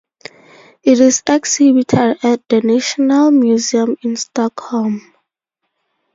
It is exhibited at the Nationalmuseum in Stockholm.